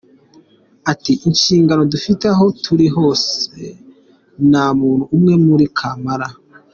Ati “Inshingano dufite aho turi hose, nta muntu umwe uri kamara.